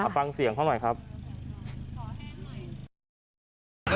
ฟังเสียงเขาหน่อยครับขอให้หน่อย